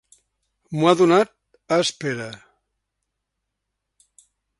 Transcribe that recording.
M'ho ha donat a espera.